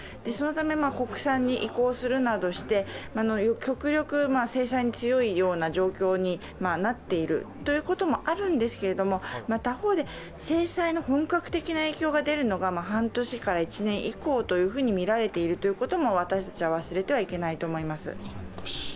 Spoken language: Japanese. そのため、国産に移行するなどして極力、制裁に強いような状況になっているということもあるんですけれども、他方で制裁の本格的な影響が出るのが半年から１年以降とみられていることも私たちは忘れてはいけないと思います。